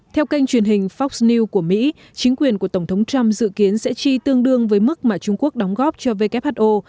theo kênh truyền hình fox news của mỹ chính quyền của tổng thống trump dự kiến sẽ chi tương đương với mức mà trung quốc đóng góp cho who